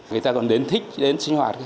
người ta còn đến thích đến sinh hoạt